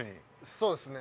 そうですね。